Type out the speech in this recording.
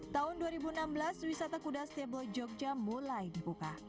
tahun dua ribu enam belas wisata kuda stable jogja mulai dibuka